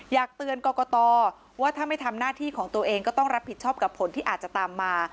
อยากเตือนกรกตว่าถ้าไม่ทำหน้าที่ของตัวเองก็ต้องรับผิดชอบกับผลที่อาจจะตามมา